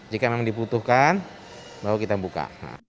jika memang dibutuhkan baru kita buka